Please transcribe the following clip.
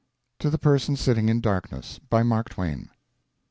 TO THE PERSON SITTING IN DARKNESS. BY MARK TWAIN.